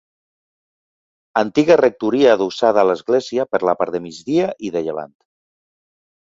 Antiga rectoria adossada a l'església per la part de migdia i de llevant.